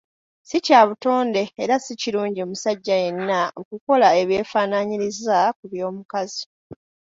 Si kya butonde era si kilungi omusajja yenna okukola ebyefaananyiriza ku byomukazi.